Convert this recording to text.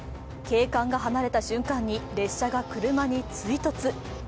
警官が離れた瞬間に列車が車に追突。